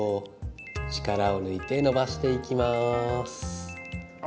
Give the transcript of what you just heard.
力を抜いて伸ばしていきます。